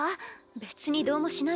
別にどうもしないわ。